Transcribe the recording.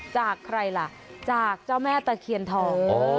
จากใครล่ะจากเจ้าแม่ตะเคียนทอง